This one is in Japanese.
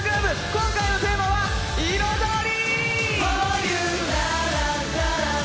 今回のテーマは「彩り」！